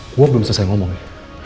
gue belum selesai ngomong ya